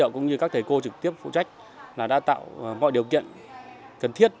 các thầy cô trực tiếp phụ trách đã tạo mọi điều kiện cần thiết